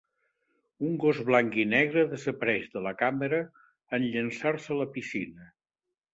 Un gos blanc i negre desapareix de la càmera en llançar-se a la piscina.